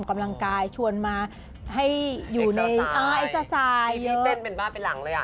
กำลังกายชวนมาให้อยู่ในอ่าเอ็กซาไซด์ให้เต้นเป็นบ้านเป็นหลังเลยอ่ะ